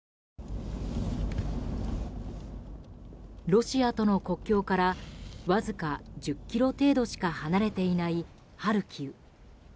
ロシアとの国境からわずか１０ｋｍ程度しか離れていないハルキウ。